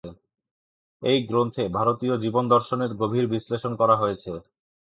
এ গ্রন্থে ভারতীয় জীবনদর্শনের গভীর বিশ্লেষণ করা হয়েছে।